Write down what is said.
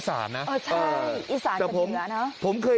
อำเภอไซน้อยจังหวัดนนทบุรี